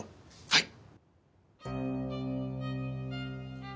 はい！